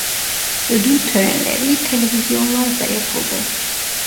Ödül törenleri televizyonlarda yapıldı.